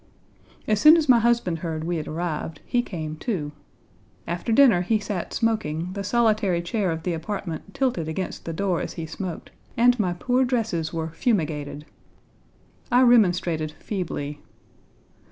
As soon as my husband heard we had arrived, he came, too. After dinner he sat smoking, the solitary chair of the apartment tilted against the door as he smoked, and my poor dresses were fumigated. I remonstrated feebly.